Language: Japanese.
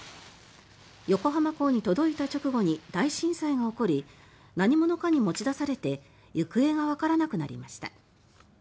横浜港に届いた直後に大震災が起こり何者かに持ち出されて行方がわからなくなりました。